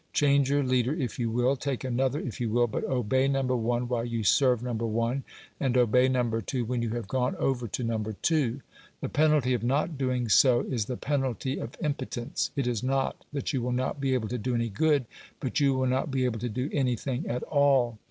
Change your leader if you will, take another if you will, but obey No. 1 while you serve No. 1, and obey No. 2 when you have gone over to No. 2. The penalty of not doing so, is the penalty of impotence. It is not that you will not be able to do any good, but you will not be able to do anything at all.